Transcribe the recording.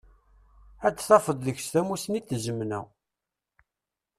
Dd tafeḍ deg-s tamusni d tzemna.